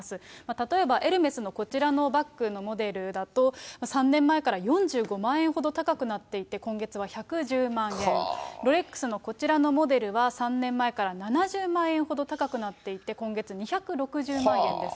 例えばエルメスのこちらのバッグのモデルだと、３年前から４５万円ほど高くなっていて、今月は１１０万円、ロレックスのこちらのモデルは、３年前から７０万円ほど高くなっていて、今月２６０万円です。